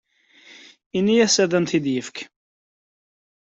Ini-as ad am-t-id-yefk.